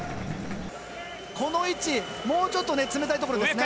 この位置、もうちょっと詰めたいところですね。